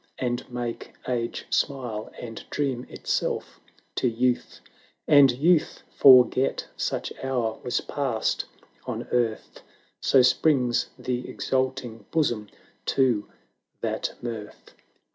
And make Age smile, and dream itself to youth, And Youth forget such hour was passed on earth. So springs the exulting bosom to that mirth